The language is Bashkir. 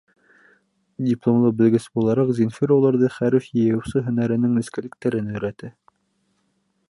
Дипломлы белгес булараҡ, Зинфира уларҙы хәреф йыйыусы һөнәренең нескәлектәренә өйрәтә.